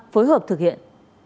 phối hợp thực hiện